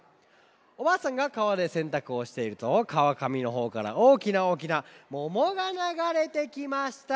おばあさんがかわでせんたくをしているとかわかみのほうからおおきなおおきなももがながれてきました。